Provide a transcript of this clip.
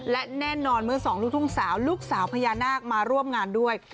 และแน่นอนเมื่อสองลูกทุ่งสาวลูกสาวพญานาคมาร่วมงานด้วย